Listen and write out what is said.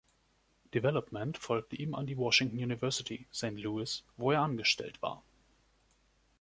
Development folgte ihm an die Washington University, Saint Louis, wo er angestellt war.